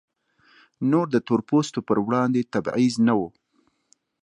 نور د تور پوستو پر وړاندې تبعیض نه و.